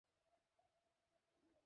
পালিয়েছে, স্যার।